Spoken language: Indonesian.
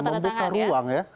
membuka ruang ya